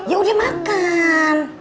ya udah makan